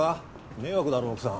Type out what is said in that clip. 迷惑だろ奥さん。